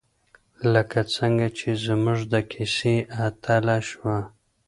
لکه څنګه چې زموږ د کیسې اتله شوه.